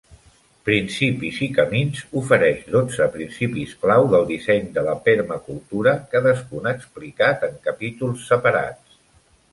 "Principis i camins" ofereix dotze principis clau del disseny de la permacultura, cadascun explicat en capítols separats.